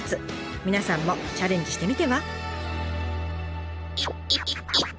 皆さんもチャレンジしてみては？